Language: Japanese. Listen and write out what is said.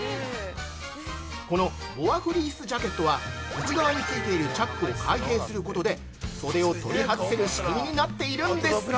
◆このボアフリースジャケットは内側についているチャックを開閉することで、袖を取り外せる仕組みになっているんです。